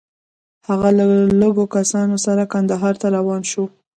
هغه له لږو کسانو سره کندهار ته روان شو.